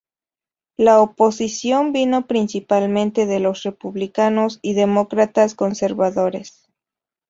La oposición vino principalmente de los republicanos y demócratas conservadores.